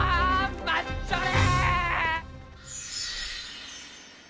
待っちょれ！